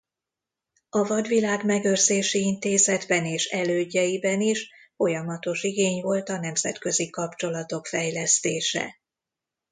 A VadVilág Megőrzési Intézetben és elődjeiben is folyamatos igény volt a nemzetközi kapcsolatok fejlesztése.